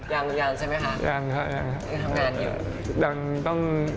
ยังใช่มั้ยคะยังค่ะยังทำงานอยู่